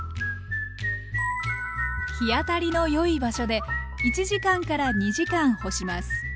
日当たりの良い場所で１時間から２時間干します。